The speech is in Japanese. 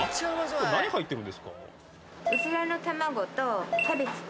何入ってるんですか？